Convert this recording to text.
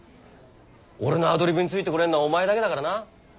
俺のアドリブについてこれんのはお前だけだからな。